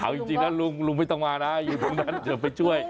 เอาจริงนะลุงลุงไม่ต้องมานะอยู่ตรงนั้นเดี๋ยวไปช่วย